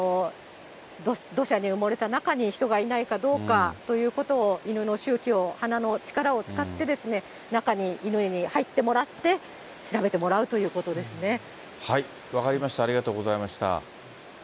土砂に埋もれた中に人がいないかどうかということを、犬の臭気を、鼻の力を使って、中に、犬に入ってもらって、分かりました、ありがとうございました。